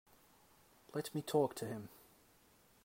Let me talk to him.